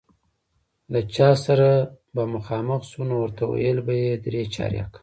له چا سره به مخامخ شو، نو ورته ویل به یې درې چارکه.